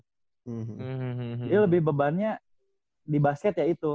jadi lebih bebannya di basket ya itu